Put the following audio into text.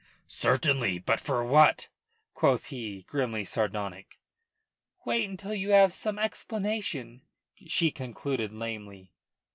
"Certainly. But for what?" quoth he, grimly sardonic. "Wait until you have some explanation," she concluded lamely.